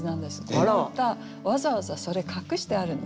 この歌わざわざそれ隠してあるんです。